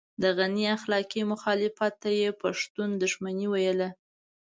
د غني اخلاقي مخالفت ته يې پښتون دښمني ويله.